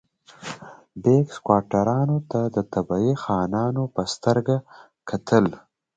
بیګ سکواټورانو ته د طبیعي خانانو په سترګه کتل.